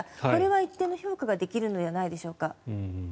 これは一定の評価ができるのではないでしょうか。